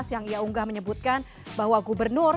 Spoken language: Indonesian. yang ia unggah menyebutkan bahwa gubernur